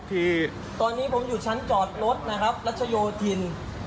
คือตอนนี้ผมอยู่ชั้นจอดรถนะครับรัชโยธิน